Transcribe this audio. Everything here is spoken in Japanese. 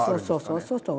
そうそうそう。